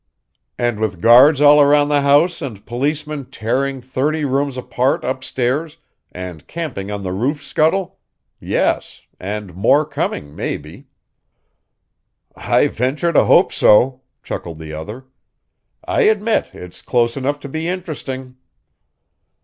"And with guards all around the house and policemen tearing thirty rooms apart upstairs and camping on the roof scuttle yes, and more coming, maybe." "I venture to hope so," chuckled the other. "I admit it's close enough to be interesting."